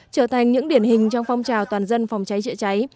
trở thành những điển hình trong phong trào toàn dân phòng cháy chữa cháy